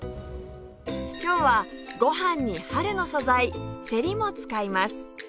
今日はご飯に春の素材せりも使います